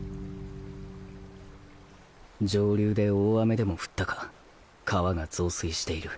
上流で大雨でも降ったか川が増水している